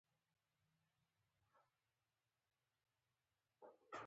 د دغه پیسو زیاته برخه خصوصي کمپنیو ته تللې.